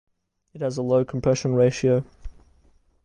It has a low compression ratio.